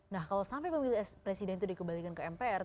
nah kalau sampai pemilih presiden itu dikembalikan ke mpr